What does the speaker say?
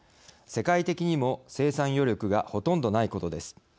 世界的にも生産余力がほとんどないことです。